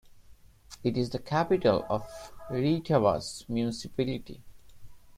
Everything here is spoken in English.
It is the capital of Rietavas municipality.